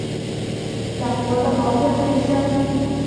两国的矛盾日深。